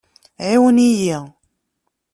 Ɛiwen-iyi.